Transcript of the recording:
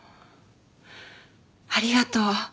ありがとう。